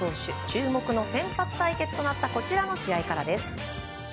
注目の先発対決となったこちらの試合からです。